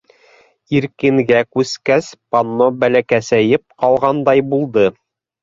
Иркенгә күскәс, панно бәләкәсәйеп ҡалғандай булды.